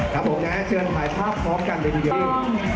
ครับผมนะครับเชิญถ่ายภาพพร้อมกันเลยดี